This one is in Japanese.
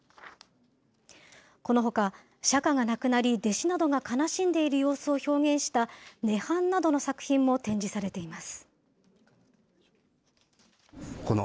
このほか、釈迦が亡くなり弟子などが悲しんでいる様子を表現した涅槃などの作品も展示されています。